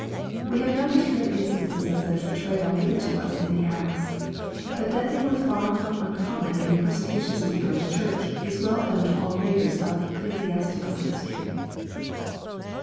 ] We have no particular instances of such betrayal given to us in the Acts. But that they were far from uncommo? in the persecutions of the early Church, is well known to all readers of ecclesiastical history.